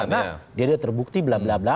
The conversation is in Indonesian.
karena dia sudah terbukti bla bla bla